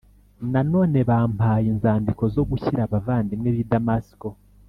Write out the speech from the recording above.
nanone bampaye inzandiko zo gushyira abavandimwe b’i damasiko